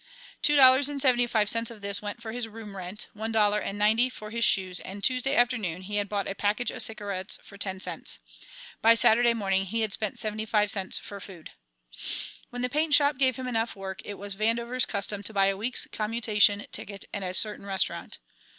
Two dollars and seventy five cents of this went for his room rent, one dollar and ninety for his shoes, and Tuesday afternoon he had bought a package of cigarettes for ten cents. By Saturday morning he had spent seventy five cents for food. When the paint shop gave him enough work it was Vandover's custom to buy a week's commutation ticket at a certain restaurant.